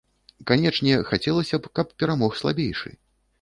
Канечне, хацелася б, каб перамог слабейшы.